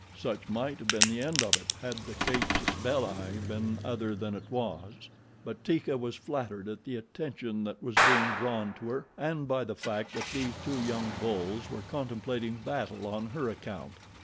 Such might have been the end of it had the CASUS BELLI been other than it was; but Teeka was flattered at the attention that was being drawn to her and by the fact that these two young bulls were contemplating battle on her account.